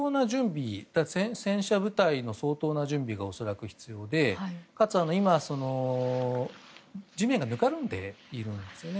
戦車部隊の相当な準備が恐らく必要でかつ、今は地面がぬかるんでいるんですね。